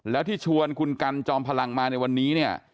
แล้วที่ชวนคุณกันจอมพลังมาในวันนี้เนี่ย